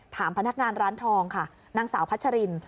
ถามพนักงานร้านทองค่ะนางสาวพัชริน